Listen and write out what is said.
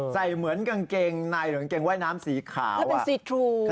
ใส่เหมือนกางเกงในหรือกางเกงว่ายน้ำสีขาว